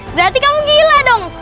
berarti kamu gila dong